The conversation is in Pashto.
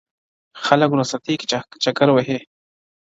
خلک رخصتۍ کې چکر وهي